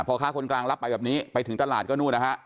พ่อค้าคนกลางรับไปแบบนี้ไปถึงตลาดก็นู่นนะฮะ